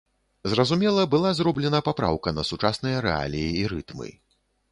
Зразумела, была зроблена папраўка на сучасныя рэаліі і рытмы.